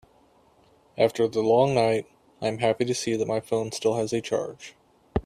After the long night, I am happy to see that my phone still has a charge.